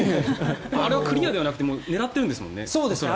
あれはクリアではなくて狙ってるんですもんね。